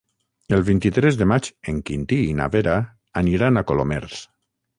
El vint-i-tres de maig en Quintí i na Vera aniran a Colomers.